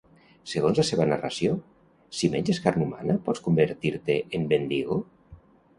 Segons la seva narració, si menges carn humana pots convertir-te en Wendigo?